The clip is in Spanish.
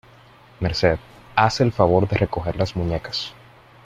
Merced, ¡haz el favor de recoger las muñecas!